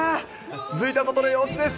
続いては外の様子です。